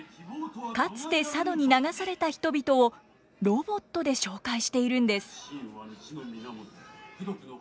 かつて佐渡に流された人々をロボットで紹介しているんです。